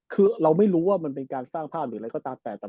คือเราไม่รู้ว่ามันเป็นการสร้างภาพหรืออะไรก็ตามแต่